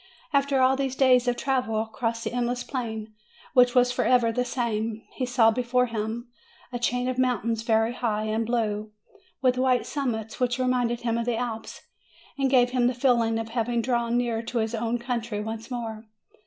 After all those days of travel across that endless plain, which was forever the same, he saw before him a chain of mountains very high and blue, with white summits, which reminded him of the Alps, and gave him the feeling of having drawn near to his own country once more.